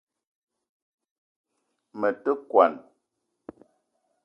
Me te kwuan